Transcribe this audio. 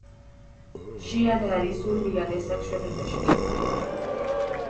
She and Harry soon began a sexual relationship.